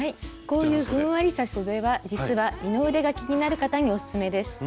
こういうふんわりしたそでは実は二の腕が気になる方におすすめです。